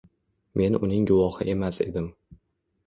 Men uning guvohi emas edim.